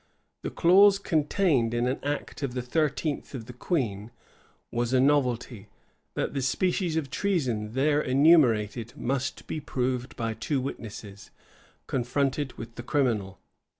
The clause contained in an act of the thirteenth of the queen, was a novelty; that the species of treason there enumerated must be proved by two witnesses, confronted with the criminal.